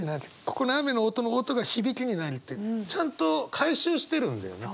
ここの雨の音の「音」が「響」になるってちゃんと回収してるんだよね。